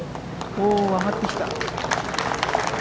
上がってきた。